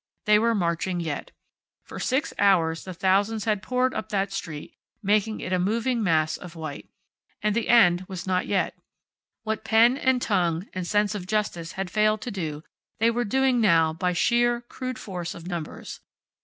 They were marching yet. For six hours the thousands had poured up that street, making it a moving mass of white. And the end was not yet. What pen, and tongue, and sense of justice had failed to do, they were doing now by sheer, crude force of numbers.